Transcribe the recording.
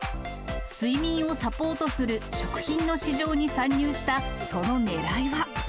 睡眠をサポートする食品の市場に参入した、そのねらいは。